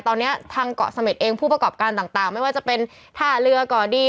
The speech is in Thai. ตอนนี้ทางเกาะเสม็ดเองผู้ประกอบการต่างไม่ว่าจะเป็นท่าเรือก่อดี